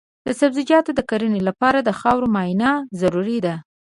د سبزیجاتو د کرنې لپاره د خاورو معاینه ضروري ده.